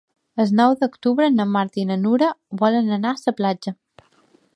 El nou d'octubre na Marta i na Nura volen anar a la platja.